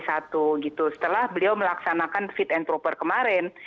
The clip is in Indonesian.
setelah beliau melaksanakan fit and proper kemarin